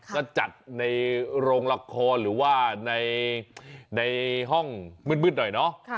ก็จัดในโรงละครหรือว่าในห้องมืดหน่อยเนาะ